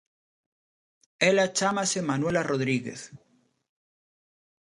Ela chámase Manuela Rodríguez.